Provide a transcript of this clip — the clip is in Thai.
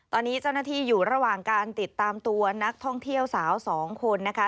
ตอนนี้เจ้าหน้าที่อยู่ระหว่างการติดตามตัวนักท่องเที่ยวสาวสองคนนะคะ